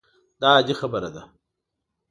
دا عادي خبره ده.